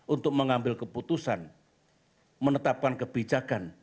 untuk mengambil keputusan menetapkan kebijakan